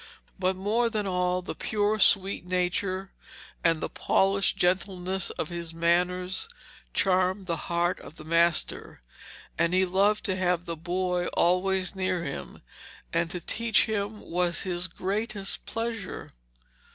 But more than all, the pure sweet nature and the polished gentleness of his manners charmed the heart of the master, and he loved to have the boy always near him, and to teach him was his greatest pleasure.